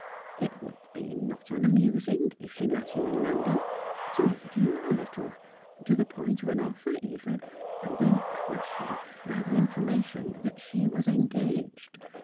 It would be not unamusing, if she met him in London, to lead him on a little, to the point of an offer even, and then crush him by the information that she was 'engaged.'